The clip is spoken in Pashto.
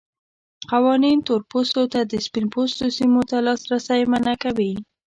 قوانین تور پوستو ته د سپین پوستو سیمو ته لاسرسی منع کوي.